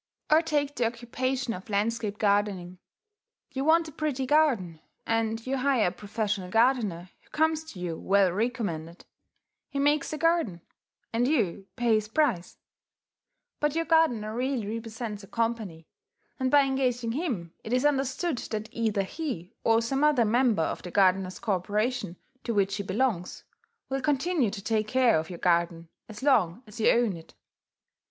Or take the occupation of landscape gardening. You want a pretty garden; and you hire a professional gardener who comes to you well recommended. He makes the garden; and you pay his price. But your gardener really represents a company; and by engaging him it is understood that either he, or some other member of the gardeners' corporation to which he belongs, will continue to take care of your garden as long as you own it.